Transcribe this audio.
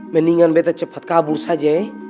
mendingan bete cepet kabur saja ya